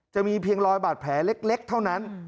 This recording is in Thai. จะมีเพียงรอยบาดแผลเล็กเท่านั้น